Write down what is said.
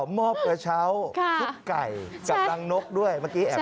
มอบกระเช้าทุกไก่กับตังนกด้วย